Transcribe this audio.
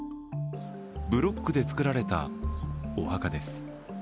ブロックで作られたお墓です。